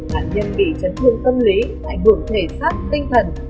bạn nhân bị chấn thương tâm lý hại bưởng thể sát tinh thần